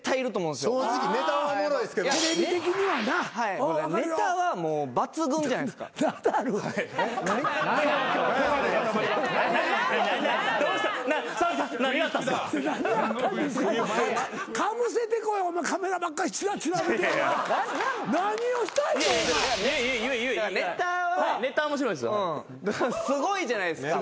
すごいじゃないですかＭ−１でも。